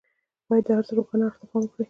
بايد د هر څه روښانه اړخ ته پام وکړي.